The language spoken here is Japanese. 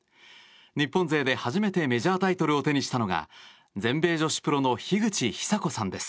日本勢で初めてメジャータイトルを手にしたのが全米女子プロの樋口久子さんです。